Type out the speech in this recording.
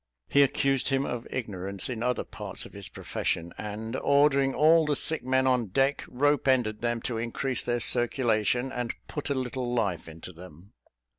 He accused him of ignorance in other parts of his profession; and, ordering all the sick men on deck, rope ended them to increase their circulation, and put a little life into them.